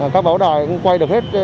các báo đài cũng quay được hết